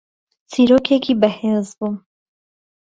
چیرۆکێکی بەهێز بوو